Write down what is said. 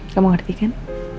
kamu ngerti kan